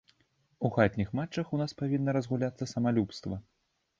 У хатніх матчах ў нас павінна разгуляцца самалюбства.